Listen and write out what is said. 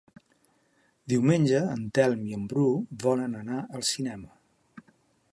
Diumenge en Telm i en Bru volen anar al cinema.